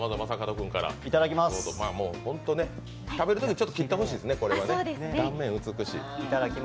食べるとき、ちょっと切ってほしいですね、断面、美しい。